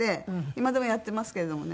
今でもやってますけれどもね。